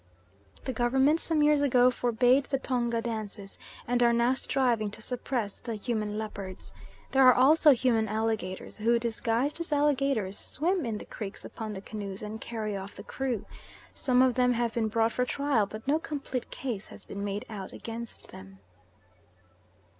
The Government some years ago forbade the Tonga dances, and are now striving to suppress the human leopards. There are also human alligators who, disguised as alligators, swim in the creeks upon the canoes and carry off the crew. Some of them have been brought for trial but no complete case has been made out against them!"